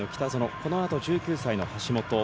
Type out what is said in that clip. このあと１９歳の橋本。